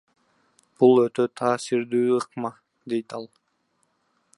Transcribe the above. Бул өтө таасирдүү ыкма, – дейт ал.